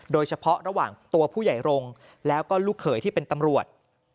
โดยเฉพาะระหว่างตัวผู้ใหญ่รงค์แล้วก็ลูกเขยที่เป็นตำรวจ